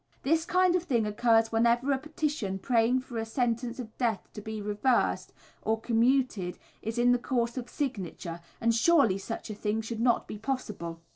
This kind of thing occurs whenever a petition praying for a sentence of death to be reversed or commuted is in the course of signature, and surely such a thing should not be possible.